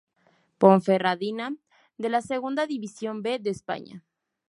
Ponferradina de la Segunda División B de España.